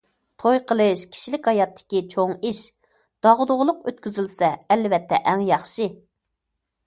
توي قىلىش كىشىلىك ھاياتتىكى چوڭ ئىش، داغدۇغىلىق ئۆتكۈزۈلسە، ئەلۋەتتە ئەڭ ياخشى.